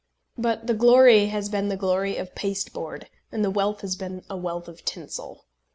But the glory has been the glory of pasteboard, and the wealth has been a wealth of tinsel.